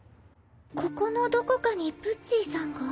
ここのどこかにプッツィさんが？